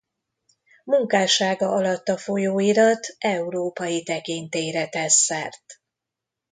Munkássága alatt a folyóirat európai tekintélyre tesz szert.